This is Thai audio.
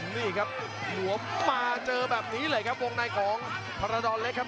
นี่ครับหนวมมาเจอแบบนี้เลยครับวงในของพรดอนเล็กครับ